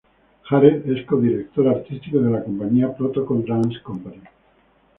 Jared es co-director artístico de la compañía "Protocol Dance Company".